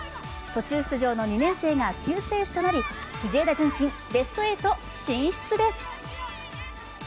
途中出場の２年生が救世主となり、藤枝順心、ベスト８進出です。